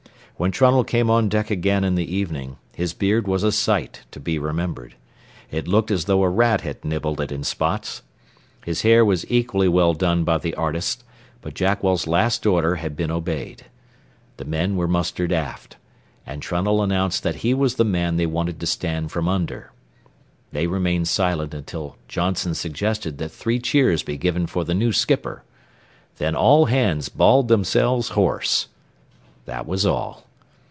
When Trunnell came on deck again in the evening, his beard was a sight to be remembered. It looked as though a rat had nibbled it in spots. His hair was equally well done by the artist, but Jackwell's last order had been obeyed. The men were mustered aft, and Trunnell announced that he was the man they wanted to stand from under. They remained silent until Johnson suggested that three cheers be given for the new skipper. Then all hands bawled themselves hoarse. That was all.